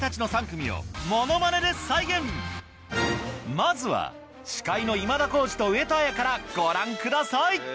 まずは司会の今田耕司と上戸彩からご覧ください